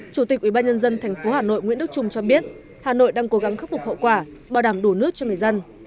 chủ tịch ủy ban nhân dân thành phố hà nội nguyễn đức trung cho biết hà nội đang cố gắng khắc phục hậu quả bảo đảm đủ nước cho người dân